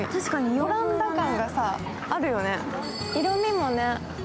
オランダ感があるよね。